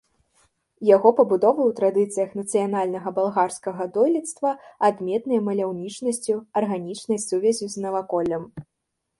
Яго пабудовы ў традыцыях нацыянальнага балгарскага дойлідства, адметныя маляўнічасцю, арганічнай сувяззю з наваколлем.